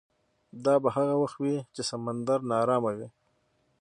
دا به هغه وخت وي چې سمندر ناارامه وي.